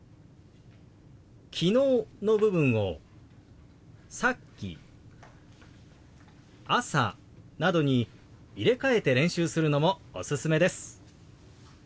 「昨日」の部分を「さっき」「朝」などに入れ替えて練習するのもおすすめです。